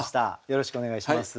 よろしくお願いします。